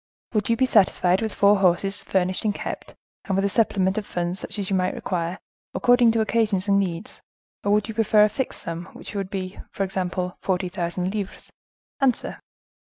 "Would you be satisfied with four horses furnished and kept, and with a supplement of funds such as you might require, according to occasions and needs, or would you prefer a fixed sum which would be, for example, forty thousand livres? Answer."